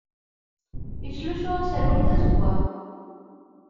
Yettlussu aserwal d azeggaɣ.